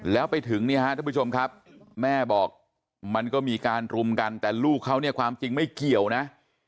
แล้วไปถึงเนี่ยฮะท่านผู้ชมครับแม่บอกมันก็มีการรุมกันแต่ลูกเขาเนี่ยความจริงไม่เกี่ยวนะ